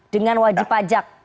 dengan wajib pajak